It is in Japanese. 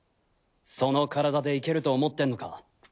その体で行けると思ってんのか？